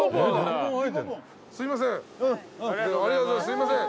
すいません。